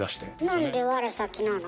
なんで「我先」なの？